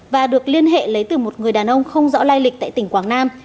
và được liên hệ lấy từ một người đàn ông không rõ lai lịch tại tỉnh quảng nam